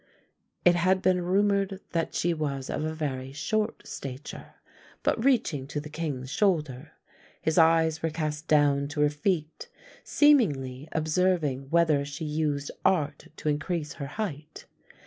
_ It had been rumoured that she was of a very short stature, but, reaching to the king's shoulder, his eyes were cast down to her feet, seemingly observing whether she used art to increase her height.